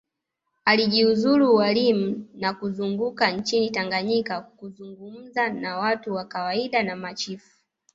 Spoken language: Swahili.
Alijiuzulu ualimu na kuzunguka nchini Tanganyika kuzungumza na watu wa kawaida na machifu